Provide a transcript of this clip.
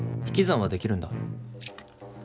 引き算はできるんだ。